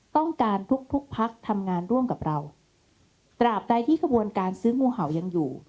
ต้องการทุกทุกพักทำงานร่วมกับเราตราบใดที่ขบวนการซื้องูเห่ายังอยู่